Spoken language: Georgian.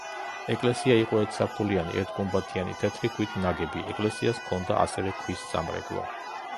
ეკლესია იყო ერთსართულიანი, ერთგუმბათიანი თეთრი ქვით ნაგები, ეკლესიას ჰქონდა ასევე ქვის სამრეკლო.